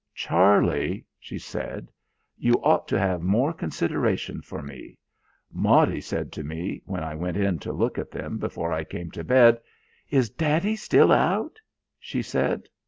"Charlie," she said, "you ought to have more consideration for me. Maudie said to me when I went in to look at them before I came to bed: 'Is daddy still out?' she said.